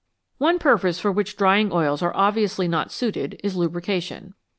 One purpose for which drying oils are obviously not suited is lubrication.